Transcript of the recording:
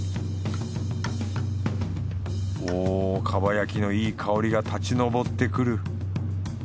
お蒲焼きのいい香りが立ち上ってくる。